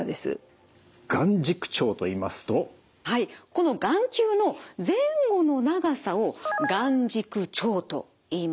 この眼球の前後の長さを眼軸長といいます。